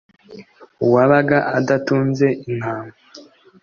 uwabaga adatunze intama,